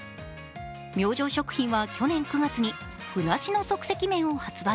明星食品は去年９月に具なしの即席麺を販売。